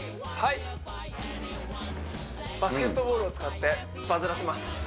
はいバスケットボールを使ってバズらせます！